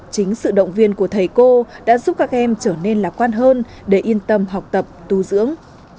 chính sự động viên của thầy cô đã giúp các em trở nên lạc quan hơn để yên tâm học tập tu dưỡng